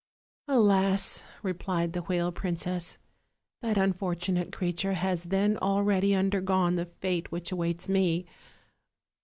"Alas!" replied the whale princess, "that unfortunate creature has then already undergone the fate which awaits me.